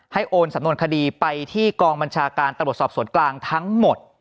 โอนสำนวนคดีไปที่กองบัญชาการตำรวจสอบสวนกลางทั้งหมด